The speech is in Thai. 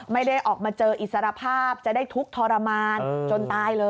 ไม่ได้ออกมาเจออิสรภาพจะได้ทุกข์ทรมานจนตายเลย